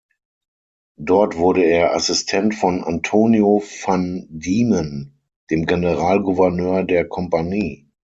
Dort wurde er Assistent von Antonio van Diemen, dem Generalgouverneur der Kompanie.